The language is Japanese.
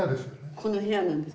この部屋なんです。